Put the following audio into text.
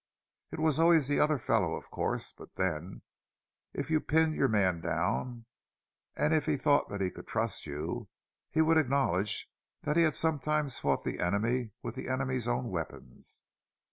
It was always the other fellow, of course; but then, if you pinned your man down, and if he thought that he could trust you—he would acknowledge that he had sometimes fought the enemy with the enemy's own weapons!